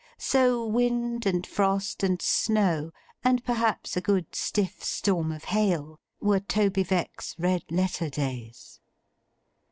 So wind and frost and snow, and perhaps a good stiff storm of hail, were Toby Veck's red letter days.